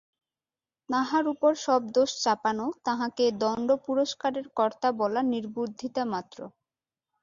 তাঁহার উপর সব দোষ চাপানো, তাঁহাকে দণ্ড-পুরস্কারের কর্তা বলা নির্বুদ্ধিতামাত্র।